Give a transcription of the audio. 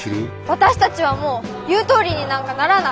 私たちはもう言うとおりになんかならない。